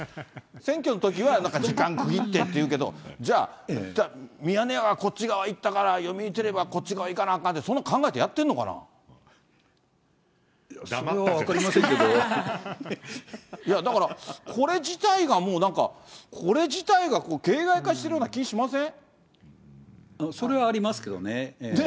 選挙のときは、なんか時間区切ってっていうけど、じゃあ、ミヤネ屋がこっち側行ったから、読売テレビはこっち側いかなあかんって、そんな考えてやってんのいや、それは分かりませんけだから、これ自体がもうなんか、これ自体が形骸化してるような気がしません？ねぇ。